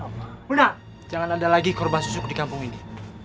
tidak jangan ada lagi korban susuk di kampung ini